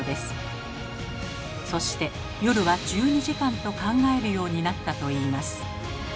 そして夜は１２時間と考えるようになったといいます。